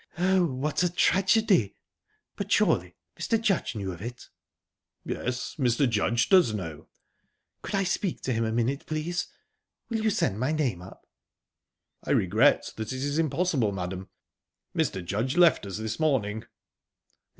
"Oh, what a tragedy!...But surely Mr. Judge know of it?" "Yes, Mr. Judge does know." "Could I speak to him a minute, please? Will you send my name up?" "I regret that it is impossible, madam. Mr. Judge left us this morning."